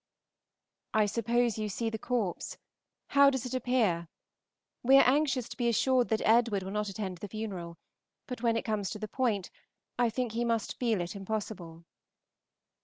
I suppose you see the corpse? How does it appear? We are anxious to be assured that Edward will not attend the funeral, but when it comes to the point I think he must feel it impossible.